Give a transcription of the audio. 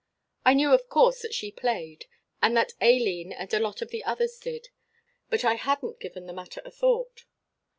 I knew of course that she played and that Aileen and a lot of the others did, but I hadn't given the matter a thought.